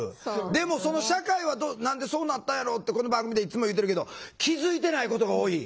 でもその社会は何でそうなったんやろうってこの番組でいっつも言うてるけど気付いてないことが多い。